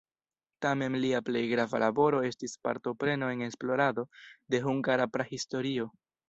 Tamen lia plej grava laboro estis partopreno en esplorado de hungara prahistorio.